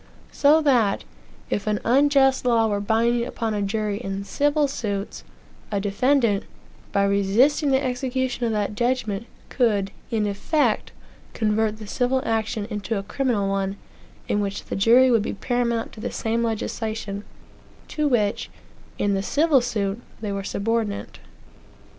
So that, if an unjust law were binding upon a jury in civil suits, a defendant, by resisting the execution of the judgment, could, in effect, convert the civil action into a criminal one, in which the jury would be paramount to the same legislation, to which, in the civil suit, they were subordinate.